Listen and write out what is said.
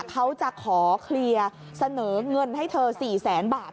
เขาจะขอเคลียร์เสนอเงินให้เธอ๔แสนบาท